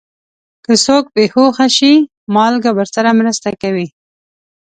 که څوک بې هوښه شي، مالګه ورسره مرسته کوي.